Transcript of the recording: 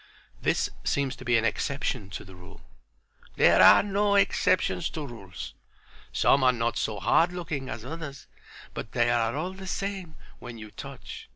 "This seems to be an exception to the rule." "There are no exceptions to rules. Some are not so hard looking as others, but they are all the same when you touch.